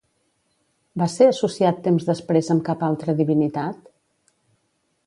Va ser associat temps després amb cap altra divinitat?